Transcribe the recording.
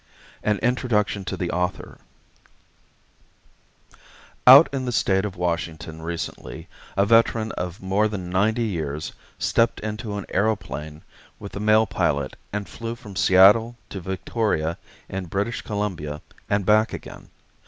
AN INTRODUCTION TO THE AUTHOR OUT in the state of Washington recently, a veteran of more than ninety years stepped into an aëroplane with the mail pilot and flew from Seattle to Victoria in British Columbia, and back again.